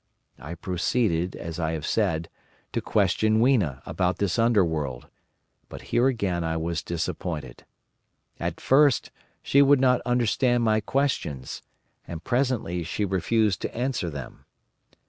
I proceeded, as I have said, to question Weena about this Underworld, but here again I was disappointed. At first she would not understand my questions, and presently she refused to answer them.